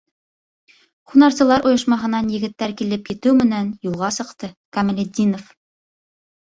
Һунарсылар ойошмаһынан егеттәр килеп етеү менән юлға сыҡты Камалетдинов.